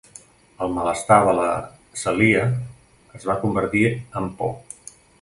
El malestar de la Celia es va convertir en por.